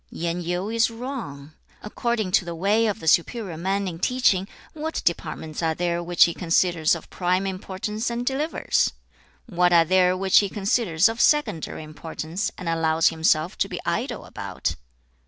Yen Yu is wrong. According to the way of the superior man in teaching, what departments are there which he considers of prime importance, and delivers? what are there which he considers of secondary importance, and allows himself to be idle about?